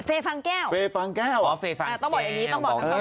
เฟย์ฟังแก้วเฟย์ฟังแก้วอ๋อเฟย์ฟังแก้วอ่ะต้องบอกอย่างงี้